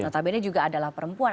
tapi ini juga adalah perempuan